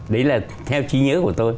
đấy là theo trí nhớ của tôi